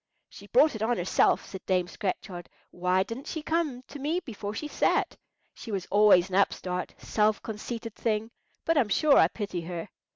"She brought it on herself," said Dame Scratchard. "Why didn't she come to me before she sat? She was always an upstart, self conceited thing; but I'm sure I pity her."